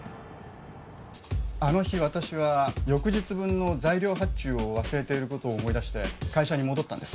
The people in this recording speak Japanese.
あの日私は翌日分の材料発注を忘れていることを思い出して会社に戻ったんです